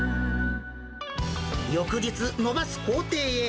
翌日、伸ばす工程へ。